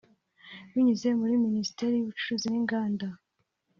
binyuze muri Minisiteri y’Ubucuruzi n’Inganda